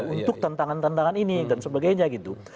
untuk tantangan tantangan ini dan sebagainya gitu